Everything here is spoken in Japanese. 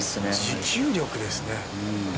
持久力ですね。